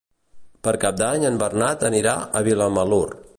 Per Cap d'Any en Bernat anirà a Vilamalur.